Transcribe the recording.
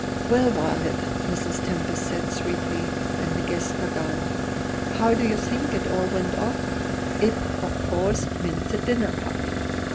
"Well, Violet," Mrs. Temple said sweetly, when the guests were gone, "how do you think it all went off?" "It," of course, meant the dinner party.